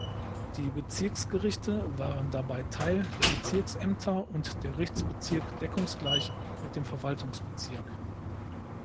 Die Bezirksgerichte waren dabei Teil der Bezirksämter und der Gerichtsbezirk deckungsgleich mit dem Verwaltungsbezirk.